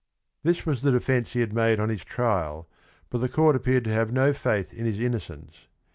This was the defence he had made on his trial but the court appeared to have no faith in his innocence.